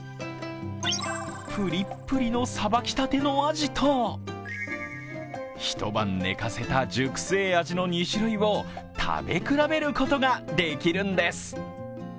ぷりっぷりのさばきたてのアジと一晩寝かせた熟成アジの２種類を食べ比べることができるんです。